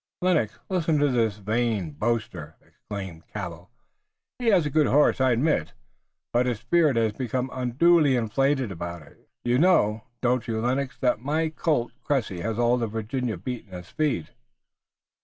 "Lennox, listen to this vain boaster!" exclaimed Cabell. "He has a good horse, I admit, but his spirit has become unduly inflated about it. You know, don't you, Lennox, that my colt, Cressy, has all Virginia beaten in speed?"